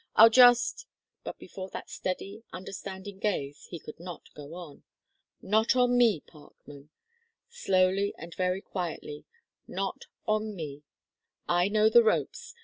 I'll just " but before that steady, understanding gaze he could not go on. "Not on me, Parkman ," slowly and very quietly "not on me. I know the ropes.